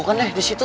kayaknya di situ